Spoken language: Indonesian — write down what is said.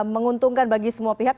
menguntungkan bagi semua pihak